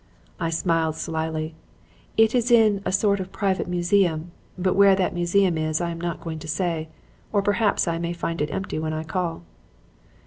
"I smiled slyly. 'It is in a sort of private museum; but where that museum is I am not going to say, or perhaps I may find it empty when I call.'